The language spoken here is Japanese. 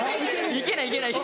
・いけないいけない。